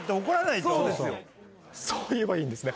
そう言えばいいんですね。